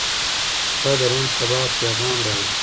• شپه د روڼ سبا پیغام راوړي.